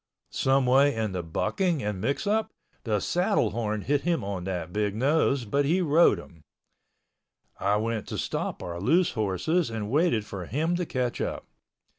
Some way in the bucking and mix up, the saddle horn hit him on that big nose, but he rode him. I went to stop our loose horses and waited for him to catch up.